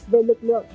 về lực lượng